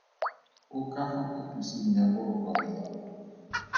O ka fa phaposing ya borobalo ya rona.